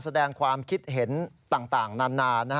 แสดงความคิดเห็นต่างนาน